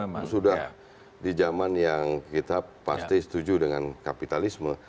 saya rasa kita sudah di zaman yang kita pasti setuju dengan kapitalisme